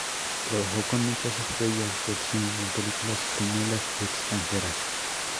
Trabajó con muchas estrellas del cine en películas españolas y extranjeras.